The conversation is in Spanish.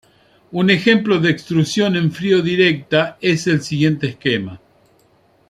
Un ejemplo de extrusión en frío directa es el siguiente esquema.